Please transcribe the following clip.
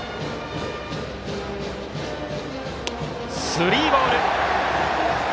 スリーボール。